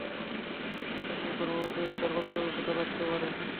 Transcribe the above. একটা মেয়ে গর্ভবতী হলে তার কতটুকু ক্ষুধা লাগতে পারে?